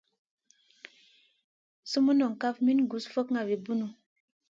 Sumun non kaf min gus fokŋa vi bunu.